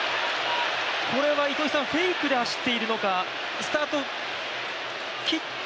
フェイクで走っているのか、スタートを切って？